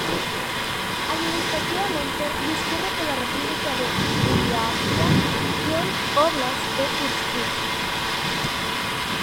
Administrativamente, discurre por la república de Buriatia y el óblast de Irkutsk.